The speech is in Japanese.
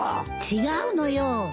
違うのよ。